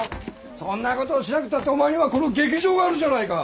そんなことをしなくたってお前にはこの劇場があるじゃないか！